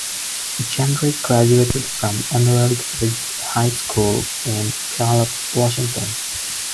Jendrick graduated from Emerald Ridge High School in Puyallup, Washington.